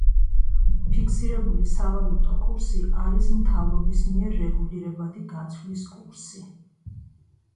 ფიქსირებული სავალუტო კურსი არის მთავრობის მიერ რეგულირებადი გაცვლის კურსი.